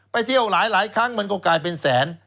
ไปเที่ยวหลายครั้งมันก็กลายเป็นแสน